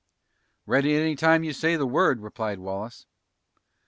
"Ready any time you say the word," replied Wallace.